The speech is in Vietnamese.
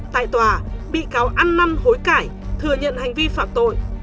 tại tòa bị cáo ăn năn hối cải thừa nhận hành vi phạm tội